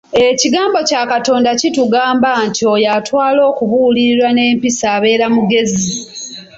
Ekigambo kya Katonda kitugamba nti oyo atwala okubuulirirwa n'empisa abeera mugezi.